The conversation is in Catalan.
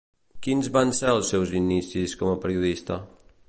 Quins van ser els seus inicis com a periodista?